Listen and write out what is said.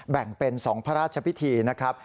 แบ่งเป็น๒พระราชพิธีนะครับ